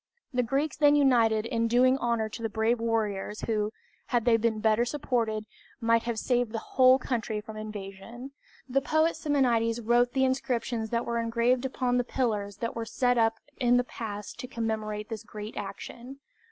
The Greeks then united in doing honor to the brave warriors who, had they been better supported, might have saved the whole country from invasion. The poet Simonides wrote the inscriptions that were engraved upon the pillars that were set up in the pass to commemorate this great action.